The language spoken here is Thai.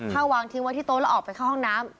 ถ้าวางทิ้งไว้ที่โต๊ะแล้วออกไปเข้าห้องน้ำ